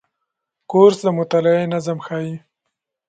کورس د مطالعې نظم ښيي.